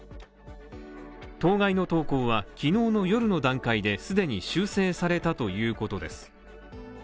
当該の投稿は、昨日の夜の段階で既に修正されたということです。